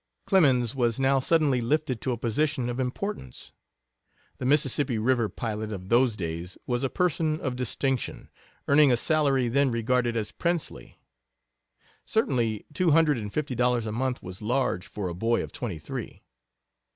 Clemens was now suddenly lifted to a position of importance. The Mississippi River pilot of those days was a person of distinction, earning a salary then regarded as princely. Certainly two hundred and fifty dollars a month was large for a boy of twenty three.